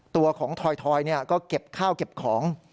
ตัวของถอยก็เก็บข้าวเก็บของ